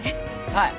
はい。